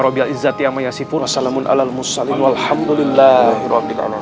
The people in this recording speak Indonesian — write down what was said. robya izzati amma yasifur wassalamun ala al musallim walhamdulillah roh dikalaun